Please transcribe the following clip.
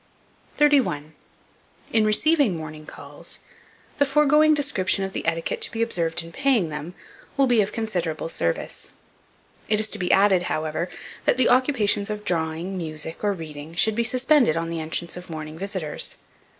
31. IN RECEIVING MORNING CALLS, the foregoing description of the etiquette to be observed in paying them, will be of considerable service. It is to be added, however, that the occupations of drawing, music, or reading should be suspended on the entrance of morning visitors.